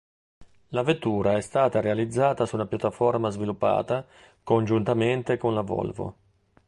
La vettura è stata realizzata su una piattaforma sviluppata congiuntamente con la Volvo.